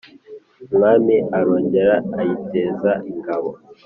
Umwami arongera ayiteza ingabo,